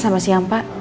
selamat siang pak